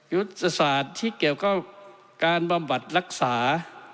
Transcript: ยุทธศาสตร์ที่เกี่ยวข้องการบำบัดรักษา